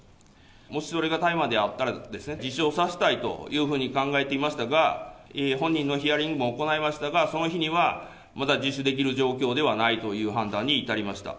もしそれが大麻であったらですね、自首をさせたいというふうに考えていましたが、本人のヒアリングも行いましたが、その日にはまだ自首できる状況ではないという判断に至りました。